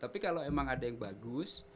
tapi kalau memang ada yang bagus